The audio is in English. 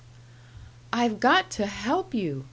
"I've got to help you!"